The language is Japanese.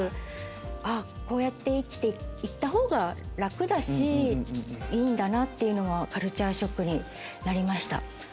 あっこうやって生きて行ったほうが楽だしいいんだなっていうのはカルチャーショックになりました。